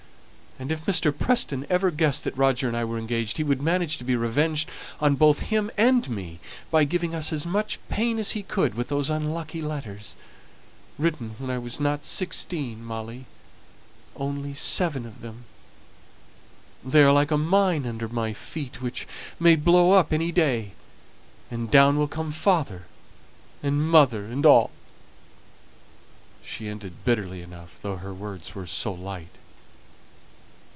And if Mr. Preston ever guessed that Roger and I were engaged, he would manage to be revenged on both him and me, by giving us as much pain as he could with those unlucky letters written when I was not sixteen, Molly, only seven of them! They are like a mine under my feet, which may blow up any day; and down will come father and mother and all." She ended bitterly enough, though her words were so light.